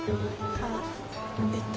あっえっと。